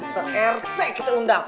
se rt kita undang